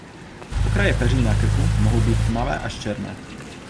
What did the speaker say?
Okraje peří na krku mohou být tmavé až černé.